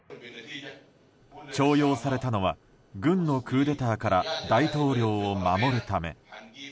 重用されたのは軍のクーデターから大統領を守るため。